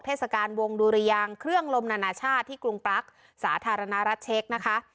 เทศกาลวงดุรยางเครื่องลมนานาชาติที่กรุงปลั๊กสาธารณรัฐเช็คนะคะ